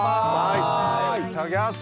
いただきます！